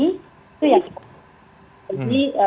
itu yang penting